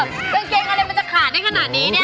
กางเกงอะไรมันจะขาดได้ขนาดนี้เนี่ย